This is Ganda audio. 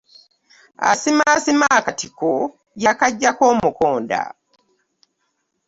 Asimasiima akatiko y'akaggyako omukonda .